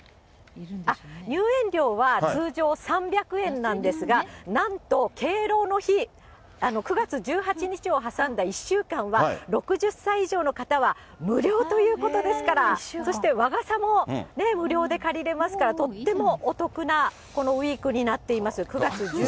入園料は、通常３００円なんですが、なんと敬老の日、９月１８日を挟んだ１週間は、６０歳以上の方は、無料ということですから、そして和傘も、無料で借りれますから、とってもお得なこのウィークになってます。